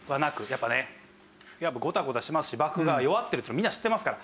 やっぱねゴタゴタしますし幕府が弱ってるというのをみんな知ってますから。